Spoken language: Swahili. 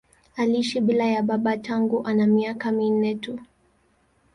Aliishi bila ya baba tangu ana miaka minne tu.